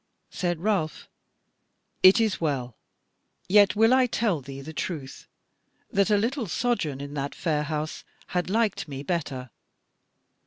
Said Ralph: "It is well; yet will I tell thee the truth, that a little sojourn in that fair house had liked me better.